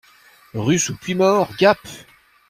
Rue sous Puymaure, Gap